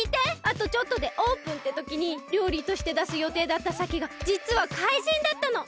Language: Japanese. あとちょっとでオープンってときにりょうりとしてだすよていだったさけがじつはかいじんだったの！